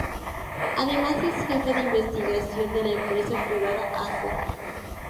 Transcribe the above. Además es jefe de investigación de la empresa privada Az.